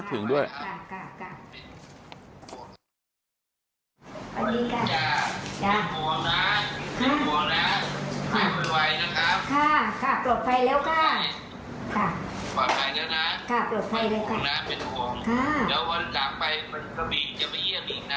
คิดถึงด้วย